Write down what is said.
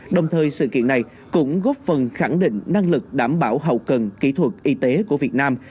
đồng thời sự kiện này cũng góp phần khẳng định năng lực đảm bảo hậu cần kỹ thuật y tế của việt nam